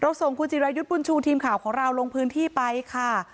เราส่งธุรโยยุทว์บุญชูทีมข่าวของเราลงพื้นที่ไปค่ะ